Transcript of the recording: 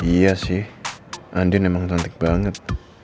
iya sih andin emang cantik banget